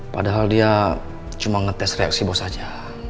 padahal dia cuma ngetes reaksi bos saja